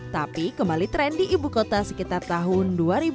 tapi kembali tren di ibu kota sekitar tahun dua ribu dua